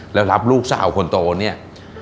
แล้วรับลูกสาวคนโตเนี่ย